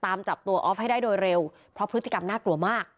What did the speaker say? ตามจับตัวออฟให้ได้โดยเร็วเพราะพฤติกรรมน่ากลัวมาก